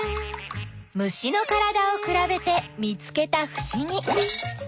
虫のからだをくらべて見つけたふしぎ。